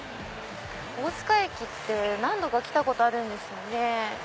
大塚駅って何度か来たことあるんですよね。